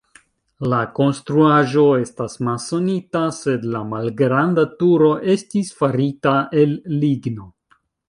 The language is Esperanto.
La konstruaĵo estas masonita, sed la malgranda turo estis farita el ligno.